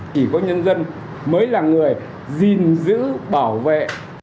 chỉ có nhân dân mới là người gìn giữ bảo vệ